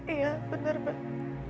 iya benar mbak